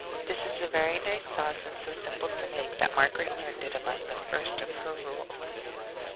This is a very nice sauce, and so simple to make that Margaret learned it among the first of her rules.